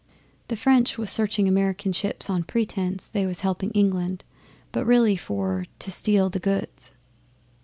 The French was searching American ships on pretence they was helping England, but really for to steal the goods.